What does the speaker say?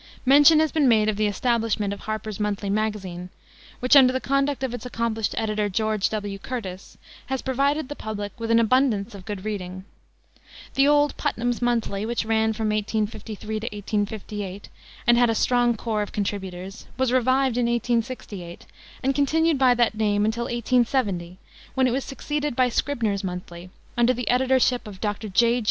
Mention has been made of the establishment of Harper's Monthly Magazine, which, under the conduct of its accomplished editor, George W. Curtis, has provided the public with an abundance of good reading. The old Putnam's Monthly, which ran from 1853 to 1858, and had a strong corps of contributors, was revived in 1868, and continued by that name till 1870, when it was succeeded by Scribner's Monthly, under the editorship of Dr. J.